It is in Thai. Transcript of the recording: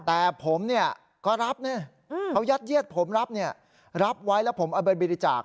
แต่ผมก็รับเขายัดเยียดผมรับรับไว้แล้วผมเอาเป็นบริจาค